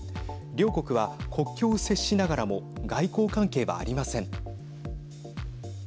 両国は国境を接しながらも外交関係はありません。